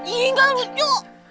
iya gak lucu